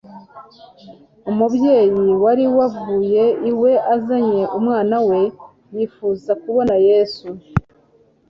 Umubyeyi wari wavuye iwe azanye umwana we yifuza kubona Yesu,